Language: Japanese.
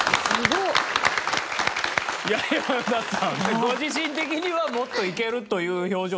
ご自身的にはもっといけるという表情でしたね今ね。